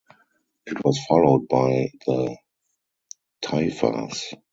It was followed by the Taifas.